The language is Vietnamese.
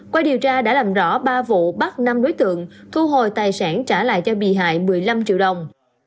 qua điều tra đã làm rõ ba vụ bắt năm đối tượng thu hồi tài sản trả lại cho bị hại một mươi năm triệu đồng